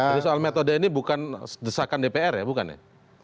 jadi soal metode ini bukan desakan dpr ya bukan ya